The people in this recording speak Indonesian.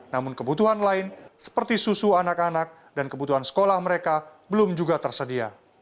namun kebutuhan lain seperti susu anak anak dan kebutuhan sekolah mereka belum juga tersedia